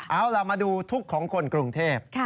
เอาล่ะมาดูทุกข์ของคนกรุงเทพ